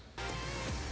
tapi bisa dimungkiri